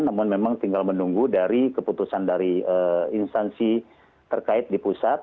namun memang tinggal menunggu dari keputusan dari instansi terkait di pusat